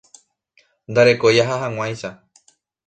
Ndarekói aha hag̃uáicha.